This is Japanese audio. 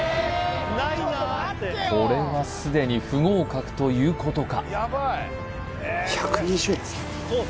これはすでに不合格ということか？